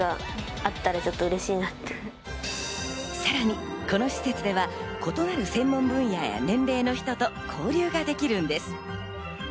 さらにこの施設では、異なる専門分野や年齢の人と交流ができるんです。